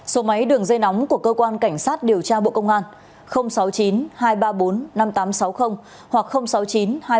số máy đường dây nóng của cơ quan cảnh sát điều tra bộ công an sáu mươi chín hai trăm ba mươi bốn năm nghìn tám trăm sáu mươi hoặc sáu mươi chín hai trăm ba mươi một hai nghìn sáu trăm bảy